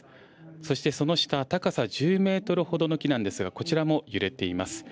そしてその下、高さ１０メートルほどの木なんですがこちらも揺れています。